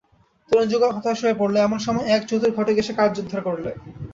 তরুণযুগল হতাশ হয়ে পড়ল, এমন সময় এক চতুর ঘটক এসে কার্যোদ্ধার করলে।